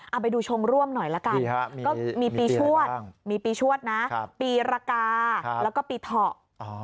เอาไปดูชงร่วมหน่อยละกันก็มีปีชวดมีปีชวดนะปีรกาแล้วก็ปีเถาะ